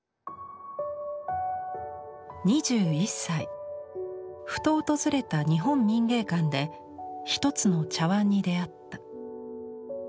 ２１歳ふと訪れた日本民藝館で一つの茶碗に出会った。